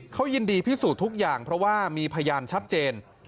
เขายินดีพิสูจน์ทุกอย่างเพราะว่ามีพยานชัดเจน